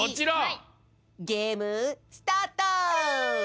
ゲームスタート！